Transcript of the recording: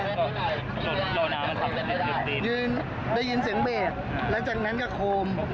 ยืนได้ยินเสียงเบคแล้วจากนั้นก็โคม